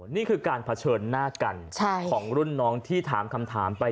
นี่คือการเผชิญหน้ากันของรุ่นน้องที่ถามคำถามไป